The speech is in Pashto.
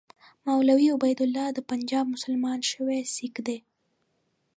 مولوي عبیدالله د پنجاب مسلمان شوی سیکه دی.